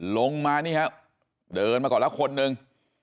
ลงมานี่ฮะเดินมาก่อนแล้วคนหนึ่ง